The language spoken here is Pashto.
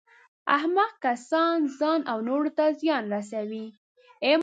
احمق کسان ځان او نورو ته زیان رسوي.